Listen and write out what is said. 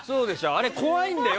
あれ、怖いんだよ。